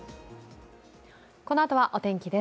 このあとはお天気です。